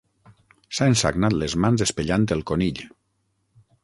S'ha ensagnat les mans espellant el conill.